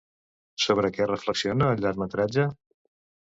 Sobre què reflexiona el llargmetratge?